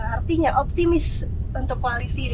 artinya optimis untuk koalisi ini